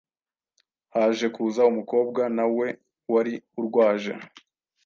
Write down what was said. haje kuza umukobwa nawe wari urwaje